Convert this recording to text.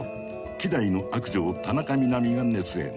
希代の悪女を田中みな実が熱演。